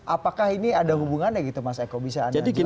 apakah ini ada hubungannya gitu mas eko bisa anda jelaskan